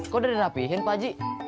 kok udah dirapihin pak haji